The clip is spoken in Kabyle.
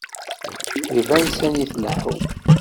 Iban sani tleḥḥum.